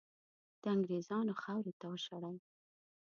د انګریزانو خاورې ته وشړل.